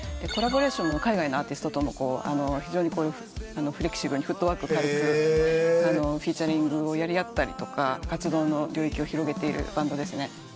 コラボレーションも海外のアーティストと非常にフレキシブルにフットワーク軽くフィーチャリングをやり合ったりとか活動の領域を広げているバンドですね。